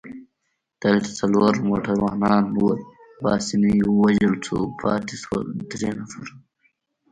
دلته څلور موټروانان ول، پاسیني ووژل شو، پاتې شول درې نفره.